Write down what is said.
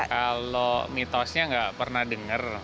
kalau mitosnya nggak pernah dengar